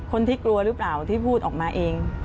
คนที่กลัวหรือเปล่าที่พูดออกมาเอง